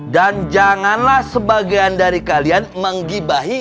dan janganlah sebagian dari kalian menggibahi